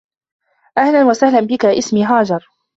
اهلا وسهلا بك اسمي هاجر